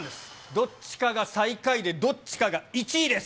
どっちかが最下位で、どっちかが１位です。